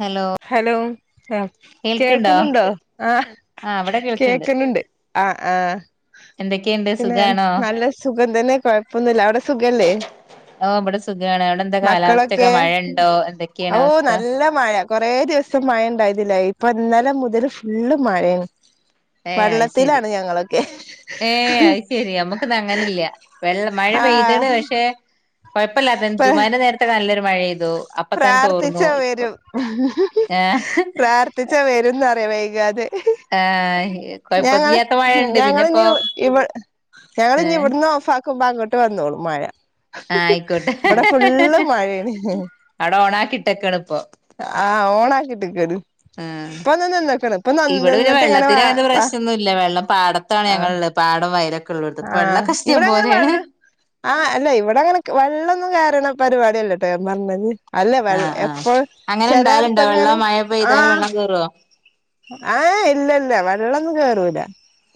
Hello hello ആ കേൾക്ക്ണ്ടോ കേൾക്കുന്നുണ്ടോ ആഹ് ആഹ് ഇവിടെ കേൾക്ക്ണ്ട് കേക്ക്ണണ്ട് ആ ആ എന്തൊക്കെയുണ്ട് പിന്നെ സുഖാണോ നല്ല സുഖംതന്നെ കൊയപ്പൊന്നുല്ല അവിടെ സുഖല്ലേ ഓ ഇവിടെ സുഖാണ് അവിടെന്താ മക്കളൊക്കെ കാലാവസ്ഥയൊക്കെ മഴയ്ണ്ടോ ഓ എന്തൊക്കെയാണവസ്ഥ നല്ല മഴ കൊറേ ദിവസം മഴയ്ണ്ടായിര്ന്നില്ല ഇപ്പൊ ഇന്നലെ മുതല് ഫുള്ള് മഴയാണ് ഏ അത് ശരി വെള്ളത്തിലാണ് ഞങ്ങളൊക്കെ ഏ അയ്ശെരി നമ്മുക്കൊന്ന് അങ്ങനില്ല്യ വെള്ള മഴ ആ പെയ്താണ് പക്ഷെ കൊഴപ്പില്ല പ്ര ജുമാന്റെ നേരത്തൊക്കെ നല്ലൊരു മഴപെയ്തു അപ്പൊ തന്നെ തോർന്നു പ്രാർത്ഥിച്ചാ ഇപ്പൊ വരും ഏഹ് പ്രാർത്ഥിച്ചാ വരുംന്നറിയാ വൈ ആഹ് ഞങ്ങള് കൊഴപ്പല്ലാത്ത മഴണ്ട് ഞങ്ങളിന്നി പിന്നെപ്പോ ഇവ ഞങ്ങളിനി ഏഹ് ഇവിടുന്ന് ഓഫാക്കുമ്പൊ അങ്ങൊട്ട് വന്നോളും മഴ ആഹ് ആയിക്കോട്ടെ ഇവിടെ ഫുള്ള് മഴയാണ് അവിടെ ഓണാക്കിട്ടേക്കാണ് ആ ഓണാക്കീട്ട്ക്കാണ് ആ ഇവിടെ പിന്നെ നിന്നിട്ട് ഇങ്ങനെ വ വെള്ളത്തിനങ്ങനെ വ പ്രശ്നൊന്നുല്ല വെള്ളം പാടത്താണ് ആഹ് ഞങ്ങളുള്ളെ പാടം വയലൊ ആഹ് ഇവിടങ്ങനെ വെള് ആ അല്ല ഇവിടങ്ങനെ വെള്ളൊന്നും കേ [unintelligible] പരിപാടിയല്ലട്ടോ ഞാൻപറഞ്ഞത് അല്ലേ വെള്ള ആഹ് ആഹ് എപ്പഴും അങ്ങനെ ഇണ്ടാവലുണ്ടോ വെള്ളം ചെലെടുത്തെങ്ങാനും മഴ ആ പെയ്താല് വെള്ളം കേറോ ആഹ് ഇല്ലല്ല വെള്ളൊന്നും കേറൂല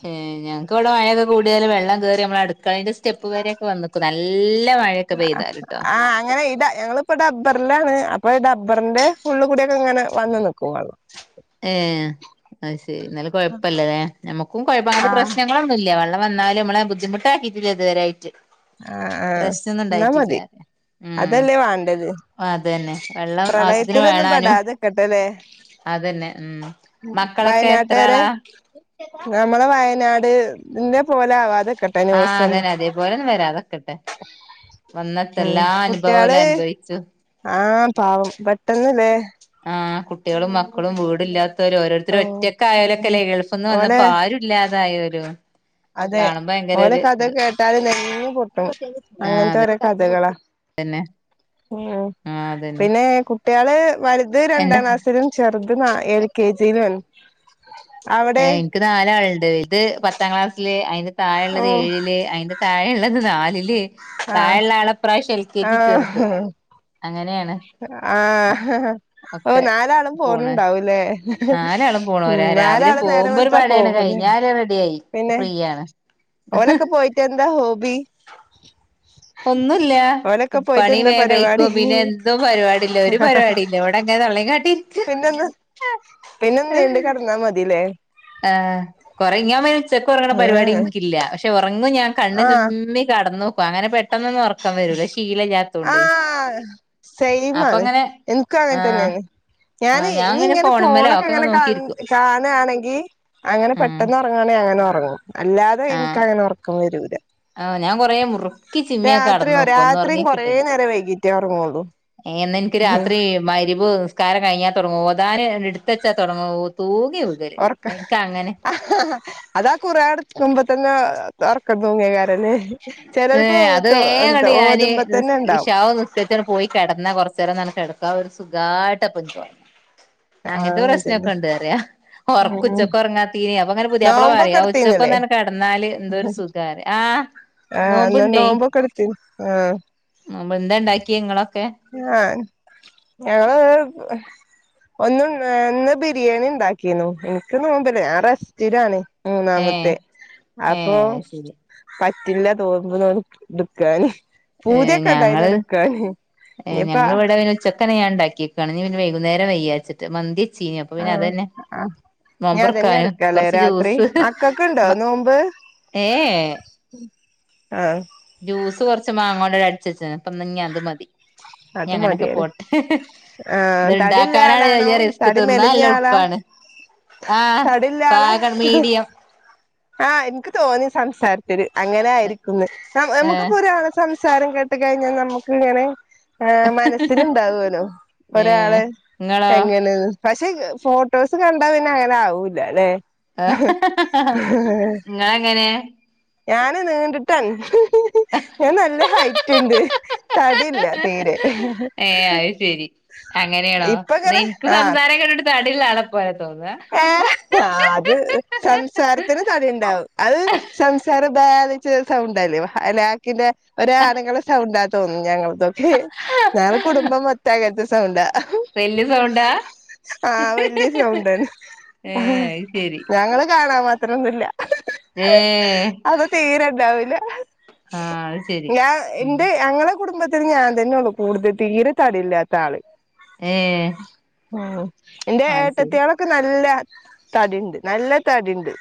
ഏ ഞങ്ങ്ക്കിവിടെ മയയൊക്കെ കൂടിയാലും വെള്ളം കേറി നമ്മള് അടുക്കളെന്റെ സ്റ്റെപ്പ് വരെയൊക്കെ വന്ന്ക്കും നല്ല മഴയൊക്കെ പെയ്താല്ട്ടോ ആ അങ്ങനെ ഇട ഞങ്ങിപ്പൊ ഡബ്ബറിലാണ് അപ്പൊ ഡബ്ബറിന്റെ ഫുള്ള് കൂടിയൊക്കെ ഇങ്ങനെ വന്ന്നിക്കും വെള്ളം ഏ അത്ശെരി എന്നാലും കൊയപ്പല്ലാലെ നമ്മുക്കും കൊയപ്പ അവ്ടെ ആഹ് പ്രശ്നങ്ങളാവ്ണില്ലേ വെ ള്ളം വന്നാലും നമ്മളെ ബുദ്ധിമുട്ടാക്കീട്ടില്ല ഇതുവരെയായിട്ട് ആഹ് ആഹ് എന്നാ പ്രശ്നൊന്ന്ണ്ടായിട്ടില്ല മതി ഉം അതല്ലേ വേണ്ടത് അതന്നെ വെള്ളം ആവശ്യത്തിന് പ്രളയത്തിലൊന്നും വേണാനും പെടാതെക്കട്ടെല്ലേ അതന്നെ ഉം മക്കളൊക്കെ എത്ര വയനാട്ടേരെ ആളാ നമ്മളെ വയനാട് ന്റെ പോലാവാതെ ആഹ് അതന്നെ അതേപോലൊന്നും വരാത്ക്കട്ടെ വന്ന്ട്ടെല്ലാനുഭ കുട്ടയാള് ആഹ് പാവം പെട്ടന്ന്ല്ലേ ആ കുട്ടികളും മക്കളും വീടില്ലാ ഓ ഉം ത്തൊരോരുത്തരൊറ്റക്കായാലൊക്കെലേ ഗൾഫ്ന്ന് ഓലെ വന്നപ്പാരുല്ലാതായോര് അതെ ഓലെ കഥ കേട്ടാല് നെങ്ങ്പൊട്ടും അങ്ങനത്തോരോ കഥകളാ പിന്നെ ഉം പിന്നെ കുട്ടികള് വലുത് എന്താ രണ്ടാംക്ലാസ്സിലും ചെറുത് ത് നാ എൽ കെ ജിയിലുഎൻ എനിക്ക് നാലാള്ണ്ട് ഇത് പത്താം ക്ലാസ്സില് അയിന്റെ ഓ താഴ്ള്ളത് ഏഴില് അയിന്റെ താഴെയുള്ളത് നാലില് ആഹ് താഴെുള്ളാളെ ഇപ്രാവശ്യം എൽ കെ ജി ചേർത്ത് അങ്ങനെയാണ് ആഹഹ ഓ ഒക്കെ നാലാളും പോണ് പോണ്ണ്ടാവൂല്ലേ നാലാളും ഉം പോണോരാ രാവിലെ നാലാളും പോകുമ്പോ ഒരു നേരംവെളുത്താ പടയാണ് പോവുംല്ലേ കഴിഞ്ഞാല് റെഡിയായി ഫ്രീയാണ് ഓലൊക്കെ പോയിട്ടെന്താ ഹോബി ഒന്നുല്ല ഓലൊക്കെ പോയിട്ട് പണി എന്താ പരിപാടി വേഗയിക്കും പിന്നെ എന്തും പരിപാടിയില്ല ഒരു പരിപാടിയില്ല ഇവിടെ അങ്ങനെ തൊള്ളേം കാട്ടിരിക്ക പിന്നെ നീണ്ട് കെടന്നാ മതില്ലേ ആ കൊറെ ഇങ്ങൊമാൻ ഉച്ചക്കൊറങ്ങണ പരിപാടി ആഹ് എനിക്കില്ല പക്ഷ ഒറങ്ങും ഞാൻ കണ്ണ് ആഹ് ചിമ്മി കടന്നോക്കും അങ്ങനെ പെട്ടന്നൊന്നും ഒറ ക്കം വരൂല ശീലല്ലാത്തോണ്ട് അപ്പങ്ങനെ എനക്കങ്ങനെതന്നെയാണ് ഞാന് ഇങ്ങനെ ഇനിയിങ്ങനെ ഫോണുമ്മലോ ഫോണൊക്കങ്ങനെ ഒക്കെങ്ങനെ കാൺ നോക്കിയിരിക്കും കാണ്ആണെങ്കി അങ്ങനെ ഉം പെട്ടെന്നൊറങ്ങാണെ അങ്ങനെ ഒറങ്ങും ആഹ് ആ ഞാൻ കൊറേ മുറുക്കി ചിമ്മിയൊക്കെ അട രാത്രിയോ ക്കടന്നോക്കും രാത്രിയും കൊറേ ഒന്നൊറങ്ങിക്കിട്ടു നേരം വൈകീട്ടേ ഉറങ്ങുള്ളൂ ഏ അന്നെനിക്ക് രാത്രി മഗ്രിബ് നിസ് നിസ്കാരം കഴിഞ്ഞാൽ തുടങ്ങുവോ ഓതാനാ എടുത്തു വച്ചാൽ തുടങ്ങൂ ഓതൂ ഒറക്ക ആ അതാ ഖുർആൻടുക്കുമ്പോ തന്നെ ഒറക്കം തൂങ്ങിയകാര് ഏ അത് എന്താ വേങ്ങണ്ട് ഞാന് ഓതുമ്പോ തന്നെ ഉണ്ടാവും ഇഷാഉം നിസ്കരിച്ചു അങ്ങട് പോയി കിടന്ന കൊറ ന്നേരം ക്കെടുക്കാം ഒരു സുഖമായിട്ടപ്പ അങ്ങനത്തെ ആഹ് അതന്നെ പ്രശ്നമൊക്കെ ഉണ്ട് അറിയ ഉം ഒറക്ക ഉം ഉച്ചക്ക് ഒറങ്ങാതീന് അപ്പൊ അങ്ങനെ പുതിയാപ്പളെ പറ നോമ്പൊക്കെ എടുത്തീന്നില്ലേ ഉച്ചൊക്കൊന്നങ് കെടന്നാല് എന്തോ ഒരു സുഖാര് ആ ആഹ് അന്ന് നോമ്പ്ണ്ടേ നോമ്പൊക്കെ എടുത്തി ആഹ് നോമ്പ് എന്താ ഇണ്ടാക്കി ഇങ്ങള്? ആഹ് ഞങ്ങള് ഒന്ന് ഒന്ന് ബിരിയാണി ഉണ്ടാക്കിനു എനിക്ക് നോമ്പില്ല ഞാൻ റെസ്റ്റിലാണ്. ഏ മൂന്നാമത്തെ ഏ അപ്പൊ അത് ശരി പറ്റ് പറ്റില്ല നോമ്പ് നോൽ എടുക്കാന് പൂതിയൊക്കെണ്ടായിന് എടുക്കാന് ഏ ഇനിയിപ്പ ഞങ്ങൾ ഇവിടെ ഒരു ഉച്ചക്കന്നെ ഞാൻ ഇണ്ടാക്കിയേക്കാണ് ഇനി പിന്നെ വൈകുന്നേരം വെയ്യാന്നിച്ചിട്ട് മന്തി. ചീന് അപ്പൊ പിന്നെ ആഹ് അതന്നെ ആ ഇനി അതന്നെ നൊമ്പറക്കാന് എടുക്കാല്ലേ കൊറച്ച് രാത്രി ജ്യൂസ് മക്കൾക്കുണ്ടോ മ നോമ്പ് ഏ എ ആഹ് ജ്യൂസ് കൊറച്ച് മാങ്ങോണ്ട അടിച്ചച്ചന് അപ്പൊ ഇന്ന്നി അത് മതി ഞ്ഞി അത് അങ്ങനെക്കെ മതിയായിരുന്നു പോട്ടെ ആഹ് ഇത് തടില്ല ഇണ്ടാക്കാനാണ് ആളാണോ വല്യ റിസ്ക് തടി തിന്നാ മെലിഞ്ഞ നല്ല ആളാ എളുപ്പാണ്. ആഹ് തടില്ല ആളാ പാകാണ് മീഡിയം ആഹ് എനിക്ക് തോന്നി സംസാര അങ്ങനെ ആയിരിക്കുന്നു ഏഹ് നമുക്കിപ്പോ ഒരാളെ സംസാരം കേട്ട് കഴിഞ്ഞാൽ നമ്മുക്ക് ഇങ്ങനെ ആ മനസ്സില്ണ്ടാവോലോ ഏഹ് ഒരാള് ഇങ്ങളോ എങ്ങനെന്ന് പക്ഷെ ഫോട്ടോസ് കണ്ടാ പിന്നെ അങ്ങനെ ആവൂല്ല ല്ലെ? ഹ് ഹ് ഹ ഹ നിങ്ങളങ്ങനെ ഞാന് നീണ്ടിട്ടാണ് ആ ഞാൻ നല്ല ഹൈറ്റ് ഇണ്ട് തടില്ല തീരെ ഏ അത് ശരി അങ്ങനെയാണോ ഇപ്പ ന്ന ഇങ്ങനെ എനിക്ക് ആഹ് സംസാരം കേട്ടിട്ട് തടില്ലാള [unintelligible] ആ അത് സംസാരത്തിന് തടിണ്ടാവും അത് സംസാര ബാധ ച്ച സൗണ്ടല്ലേ ഹലാക്കിലെ ഒരു ആണുങ്ങളെ സൗണ്ടാ തോന്നുന്നു ഞങ്ങ അതൊക്കെ ഞങ്ങടെ കുടുംബം മൊത്തം അങ്ങനത്തെ സൗണ്ട വല്യ സൗണ്ടാ ആഹ് വല്യ സൗണ്ടാന്ന് ഏ അത് ശരി ഞങ്ങള് കാണാൻ മാത്രൊ ഒന്നുല്ല ഏ അത് തീരെണ്ടാവില്ല ആ അത് ശരി ഞാൻ ഉം എന്റെ ഞങ്ങള് കുടുംബത്തിന് ഞാൻ തന്നെ ഉള്ളൂ കൂടുതൽ തീരെ തടി ഇല്ലാത്ത ആള് ഏഹ് ഉം എന്റെ ഏട്ടത്തിയാളൊക്കെ നല്ല തടിണ്ട് നല്ല തടിണ്ട്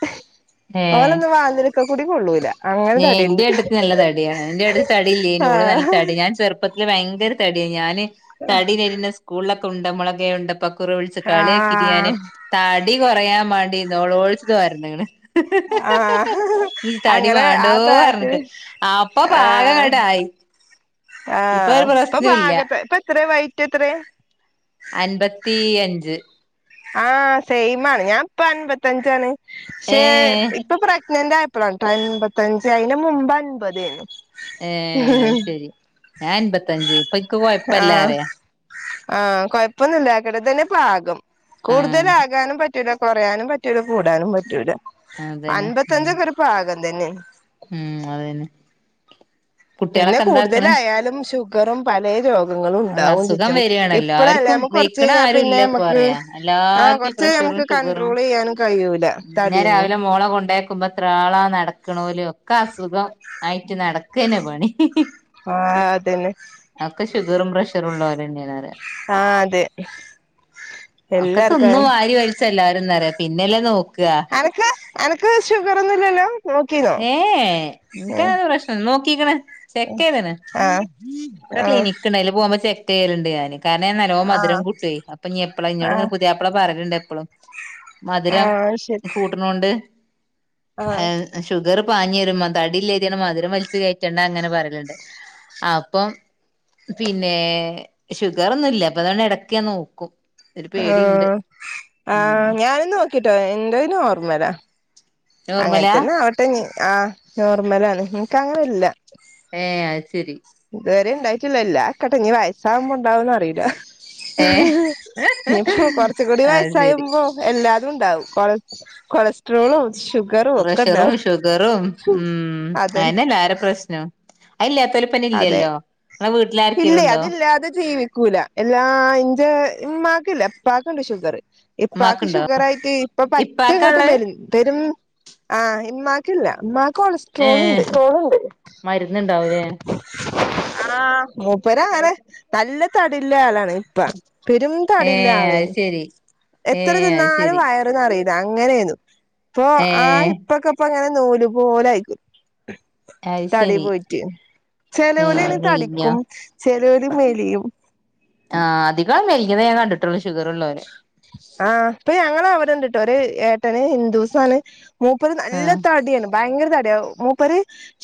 അവലോന്നും വാതിൽക്ക കൂടി കൊള്ളൂല അങ്ങനെ ഏഹ് തടിണ്ട് എന്റെ ഏടത്തി നല്ല തടിയാണ് ഇന്റെ തടി ഇല്ലായ്നു ഓള് നല്ല ആഹ് തടി ഞാൻ ചെറുപ്പത്തിൽ ഭയങ്ക ഭയങ്കര തടിയ ഞാന് തടി വരണ സ്കൂളിലൊക്കെ ഉണ്ട മുളകെ ണ്ട ണ്ടപ്പക്കുറു വിളിച്ച് കളിയാക്കിട്ട് ഞാന് ആഹ് തടി കൊറയാൻ വേണ്ടി നോലോളിച്ചു ദുആരുന്ന്ക്ക്ണ് ആഹ് ഇ തടി വാ അങ്ങനെ ആ പ്രായത്തില് പറഞ്ഞിട്ട് അപ്പൊ പാകംങ്ങട് ആയി ആ ഇപ്പൊ പാക ഇപ്പ എത്രയ വൈറ്റ് എത്ര? അൻപത്തി അഞ്ച് ആഹ് സെയിമാണ് ഞാൻ ഇപ്പ അൻപത്തഞ്ചാണ് ഏ പക്ഷെ ഇപ്പൊ പ്രഗ്നന്റ് ആ ഇപ്പോ അന്പത്തിയഞ്ചു ആയിന മുമ്പേ അയ്ൻപത് ആയിരുന്നു ങേ... അത് ശരി. ഞാൻ അൻപത്തഞ്ച് ഇപ്പ ഇക്ക് കൊഴപ്പില്ല പറയാ... ങാ.. ഹ് കൊഴപ്പൊന്നുമില്ലാക്കട്ടിതന്നെ പാകം. ആ കൂടുതലാകാനും പറ്റൂല കൊറയാനും പറ്റൂല്ല കൂടാനും പറ്റൂല. അതന്നെ ഉം അൻപത്തഞ്ചക്കൊരു പാകം തന്നെ... ഉം... അതന്നെ പിന്നെ കുട്ടികളൊക്കെ എന്താക്കണ് കൂടുതലായാലും ഷുഗറും പലേ രോഗ ങ്ങളുണ്ടാവുങ്കി അസുഖം ച്ചും വരികയാണ് ഇപ്പോഴല്ല എല്ലാർക്കും നമുക്ക് വെയ്ക്കണ കുറച്ചക്കഴിഞ്ഞാ ആരും ഇല്ല പിന്നെ ഇപ്പൊ മ്മക്ക് പറയാ ആ എല്ലാർക്കും കുറ... ഈ പ്രഷറും മ്മക്ക് ഷുഗറും കണ്ട്രോൾ ചെയ്യാനും കയൂല തടിയൊന്നും നക്കുമ്പോ എത്രള നടക്കണോല് ഒക്കെ അസുഖം ആയിട്ട് നടക്കനെ പണി ഹാ..... ഹാ... ആഹ അതനെ അക്കെ ഷുഗറും പ്രഷർ ഒള്ളോലെന്നെനറിയ. ആഹ് അതെ എല്ലാർക്കും ഒക്കതിന്നും അതെന്നെ വാരി വരിലിച്ചല്ലാരുംന്നറിയ പിന്നെല്ലെ നോ.... അനക്ക് അനക്ക് ഷുഗറൊന്നുല്ലല്ലോ? ഏ... ഏ... ഇനിക്കങ്ങനെപ്രശ്നോ.... നോക്കീക്കണ് ചെക്ക് ചെയ്ത്ണ് ആഹ് ഇവിടെ..... ആഹ് ഇനിക്കിണ്ടായില്ല പോവുമ്പോ ചെക്ക്.. ചെയ്യാലുണ്ട് ഞാന് കാരണ ഞാൻ നല്ലോണം മധുര ആഹ് കൂട്ടേ അപ്പൊ നീ എപ്പള ഇന്നോട് ഇങ്ങനെ ആഹ് പുതിയയാപ്പള പറയിലണ്ട് എപ്പോളും മധുരം... കൂട്ടണോണ്ട്. ആഹ ഷുഗർ പാഞ്ഞിവരുമ്പോ തടില്ലേട്ടാണ് മധുരം വലിച്ച്കെറ്റണ്ടന്ന് ഇങ്ങനെ പറയല്ണ്ട് അപ്പം... പിന്നെ...... ഷുഗറൊന്നുല്ല അപ്പൊ അതൊണ്ട് ഇടക്കെ ഞാൻ നോക്കും. ഒരു ആ....... പേടിയുണ്ട് ആ ഉം ഞാനും നോക്കിട്ടോ ന്റെ നോർമല.. നോർമലാ അങ്ങനത്തന്നെ അവട്ടെ ഞ് ആ നോർമലാണ് ഇൻക്ക് അങ്ങനെ ഇല്ല.. ഏ അയ്, ശരി ഇതുവരെ ണ്ടായിട്ടില്ല ഇല്ലാക്കട്ടെ ഞ് വയസാവുമ്പോണ്ടാവൊന്ന് അറിയില ഹി...... ഏഹ് ഹി.... ഇനിപ്പോ കൊറച്ച്കൂടി അത് ശരി വയസായ്യുമ്പോ എല്ലാ... ണ്ടാവും കൊളസ്ട്രോളും.... ഷുഗറും ഒക്കെ പ്രഷറും ഉണ്ടാവും ഷുഗറും ഉം.... അതന്നെ അയന്നെ എല്ലാരേം പ്രശ്നം അതെ പ്പനില്ലല്ലോ... ഇങ്ങള് ഇല്ലേ അതില്ലാതെ ജീവിക്കൂല. എല്ലാ ഇന്റെ ഇമ്മക്ക്.. ക്കില്ല എപ്പാക്കണ്ട്ഷുഗർ ഇപ്പ ആക്ക് ഇമ്മാക്ക്ണ്ടോ ഷുഗർ ആയിട്ട് ഇപ്പൊ പറ്റ ഇപ്പാക്കാ ഇങ്ങോട്ട് ഇള്ളെ മരു തരും ആ്മാ ക്കില്ല ഏ മരുന്നുണ്ടാവൂലേ ആഹ മൂപ്പര അങ്ങനെ നല്ല തടില്ല ആളാണ് ഇപ്പ പെരും തടില്ല ഏഹ് അത് ആളെനി ശരി എത്ര ഏഹ് അത് തിന്നാലും ശരി വയറ് നറീല അങ്ങനെന്നു ഇപ്പൊ ആ ഏഹ് ഇപ്പൊക്കെ ഇപ്പൊ ങ്ങനെ നൂല് പോലെ ആയിക്ക്.... അത് ത്താടി ശരി പോയിട്ട്.. ഏഹ് ചെലോലയിന് മെലിഞ്ഞോ തടിക്കും ചെലൊരു മെലിയും. ആഹ് അിതികാൾ മെലിഞ്ഞതെ ഞാൻ കണ്ടിട്ടുള്ളൂ... ഷുഗർ ഉള്ളോരെ ആ് ഇപ്പ ഞങ്ങളെ അവിടെണ്ട്ട്ടോ ഒരേട്ടന് ഹിന്ദുസാണ്... മൂപ്പര് നല്ല ആഹ് തടിയാണ് ഭയങ്കര തടിയ.. മൂപ്പര്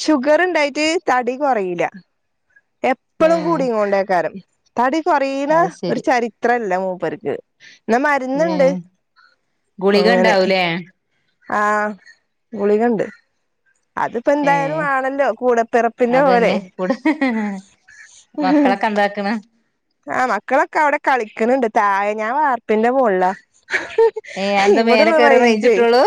ഷുഗർ ഇണ്ടായിട്ട് തടി കുറയില എപ്പോഴും ഏഹ് കൂടിങ്ങണ്ടേക്കാരം. തടി കുറയുന്ന അത് ഒരു ശരി ചരിത്ര ല്ല മൂപ്പേര്ക്ക് ന്നാ മരുന്ന്ണ്ട് ഏഹ് ഗുളിക അങ്ങനെ ഇണ്ടാവൂലേ ആഹ ഗുളികണ്ട് അതിപ്പോ ഏ എന്തായാലും ആണല്ലോ കൂടപ്പിറപ്പിന്റെ പോലെ അതന്നെ കൂടെ ഹ്... ഹാ.. മക്കളൊക്കെ എന്താക്കണ് ആ മക്കളൊക്കെ അവിടെ കളിക്കണണ്ട് തായെ ഞാൻ വാർപ്പിന്റെ മളിലാ... ഹ്... ഏ ഹാ... അതെന്താ മേലെ ഇവിടെള്ള കേറി റേഞ്ച് റഞ്ചേ കിട്ടോള്ളൂ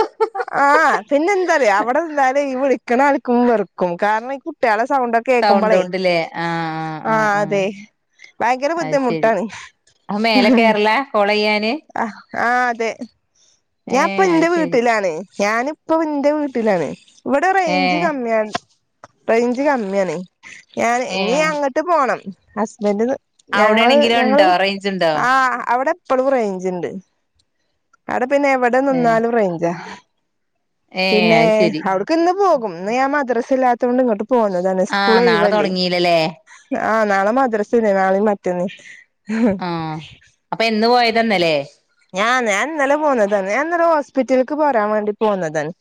ആഹ് പിന്നെ എന്താറിയൊ അവിടെ എന്ത.... ഈ വിളിക്കണൾക്കും വെറുക്കും കാരണം ഈ കുട്ടിയാളെ... സൗണ്ട ക്കെ സൗണ്ട് കേക്കുമ്പോളേ കൊണ്ട്ല്ലേ ആഹ് ആഹ ആഹ് ആഹ് അതെ ഭയങ്കര അത് ശരി ബുദ്ധിമുട്ടാണ് അത് മേലെ ഹാ... കേറല കോളെയ്യാന് ആ ആ അതെ ഏ ഞൻപ്പ അത് ന്റെ ശരി വീട്ടിലാണ് ഞാനിപ്പ ന്റെ വീട്ടിലാണ് ഇവിടെ ഏ റേഞ്ച് കമ്മിയാ റേഞ്ച് കമ്മിയാണെ.. ഞാൻ.. ഏ ഇനി അങ്ങട്ട് പോണം. ഹസ്ബന്റ് ഞങ്ങള്.. അവിടെയാണെങ്കിലോ ഞങ്ങള്.. ഇണ്ടോ റേഞ്ച് ഇണ്ടോ ആ.. അവിടെപ്പളും റേഞ്ചിണ്ട്. അവിടെ പിന്നെ എവിടെ ഏ നിന്നാലും റേഞ്ചാ. ഏ പിന്നെ... അത് ശരി അവിടുക്കിന്ന് പോകും.. ന്ന് ഞാൻ മദ്രസില്ലാ ത്തോണ്ടിങ്ങട്ട് പോന്നതാണ് ആഹ് ഉസ്കൂളൊയ് നാളെ വല്ലേ... തൊടങ്ങീലല്ലേ ആഹ്.. നാളെ മദ്രസില്ലെ.. നാളീം.. മറ്റന്നെ ഹ്ഹും.. ആഹ് അപ്പൊ എന്ന് പോയതാന്നല്ലേ ഞാ.. ഞാൻ ന്നലെ പോന്നതാന്ന്. ഞാന്നലെ ഹോസ്പിറ്റൽക്ക് പോരാൻ വേണ്ടി പോന്നതാണ്.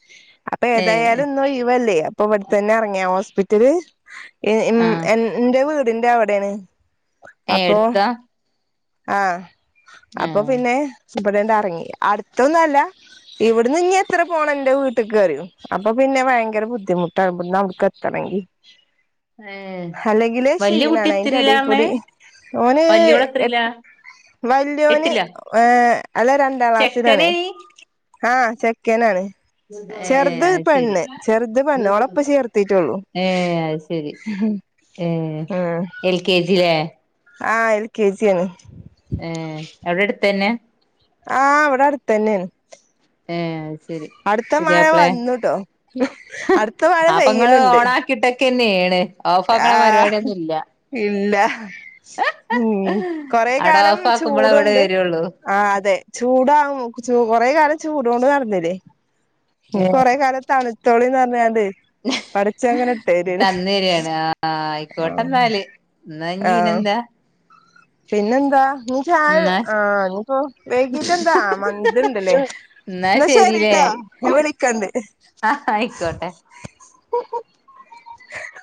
അപ്പൊ ഏ ഏതായാലും ന്ന് ഒയിവല്ലേ... അപ്പൊവിടെ തന്നെ ഇറങ്ങിയ ഹോസ്പിറ്റല്. ഏ.. മ്.. ഉം.. ആഹ് എ.. ന്റെ വീടിന്റെ അവിടെയാണ്. ഏ.. അപ്പൊ ഏട്ത്താ? ആഹ്... അപ്പൊ പിന്നെ ഇവിടെണ്ട് അർങ്ങി.. അട്ത്തൊന്നല്ല ഇവിടുന്ന് ഇനി എത്ര പോണം ന്റെ വീട്ടിക്ക് അറിയോ... അപ്പൊ പിന്നെ ഭയങ്കര ബുദ്ധിമുട്ടാവിട്ന്നവിട്ക്ക് എത്തണെങ്കി. ഏ [inaudible] ഹല്ലെങ്കിലേ വല്യ കുട്ടി ക്ഷീണാണ്.. എത്രയിലാ പറഞ്ഞെ അയിന്റെടേക്കൂടി.. ഓന്... വല്യോള് എ എത്രയിലാ വല്ല്യോന്.. ങേ.. എട്ടിലോ ഹ്.. അല്ല രണ്ടാം ക്ലാസിലാണേ... ചെക്കന് ങാ... ഹ്.. ചെക്കനാണ്. ഏ ചെറുത്.. അത് ശരി പെണ്ണ്. ചെറുത് പെണ്ണ്.. ഓളെപ്പൊ ചേർത്തിട്ടൊള്ളൂ.. മ്മ്... എൽ കെ ജി ല്ലേ... ങാ... ഹ്.. എൽ കെ ജിയാണ്. മ്മ്... അവിടെടുത്തന്നെ..? ങാ... ഹ് ഇവിടട്ത്തെന്നേണ്. മ്മ്... ശരി.. പുതിയാപ്പ്ളയാ? വന്നുട്ടോ ഹമ്... അടുത്ത മഴ ആപ്പിങ്ങള് പെയ്യണുണ്ട് ഓണാക്കിട്ട ക്കെന്നേണ്. ഓഫാക്ക്‌ണ ആഹ് പരിപാടിയൊന്നും ഇല്ല. ഇല്ല ഉം... കൊറെ അവിടെ കാലം ഓഫ് ആക്കുമ്പോളെ ഇവിടെ ചൂടുണ്ട്.. വരുള്ളൂ ങാ... അതെ. ചൂടാ.. ചു.. കൊറെ കാലം ചൂടോണ്ട് നടന്നില്ലേ.. ഇനി കൊറേക്കാലം തണുത്തോളീന്ന് പറഞ്ഞോണ്ട് മ്ഹ... തന്നരിയാണ്.. ങ... ആ... ആയിക്കോട്ടെന്നാല്. ആഹ് എന്നാഞ്ഞീനെന്താ...? പിന്നെന്താ... ന്നി.. ചാ.. ങാ... നിപ്പൊ.. വൈകീട്ട്ടെന്താ.. ങാ... ആ.. മന്തീണ്ട്‌ല്ലേ... എന്നാ ന്നാ ശരിട്ട ഞാൻ വിളിക്കണ്ട്. ങാ.. ഹ് ഹ... ആയിക്കോട്ടെ. മ്മ്.. ഹ്.. ഹ്ഹ്...